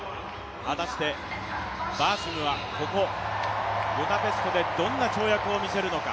果たして、バーシムはここ、ブダペストでどんな跳躍を見せるのか。